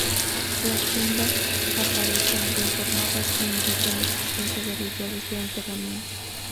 Las tumbas aparecen bien formadas e indican la existencia de rituales de enterramiento.